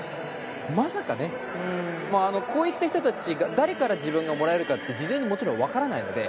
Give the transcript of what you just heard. まさか、こういった人たちが誰からもらえるかって事前に分からないので。